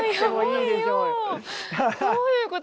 どういうこと？